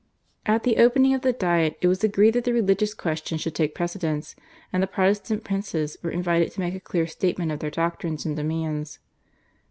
At the opening of the Diet it was agreed that the religious question should take precedence, and the Protestant princes were invited to make a clear statement of their doctrines and demands.